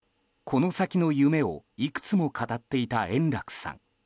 この先の夢をいくつも語っていた円楽さん。